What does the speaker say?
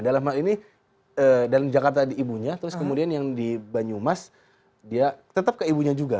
dalam hal ini dalam jakarta di ibunya terus kemudian yang di banyumas dia tetap ke ibunya juga